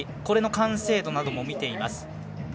これの完成度なども見ています。